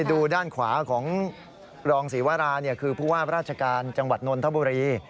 ดูด้านขวาของรองศรีวราคือผู้ว่าราชการจังหวัดนนทบุรี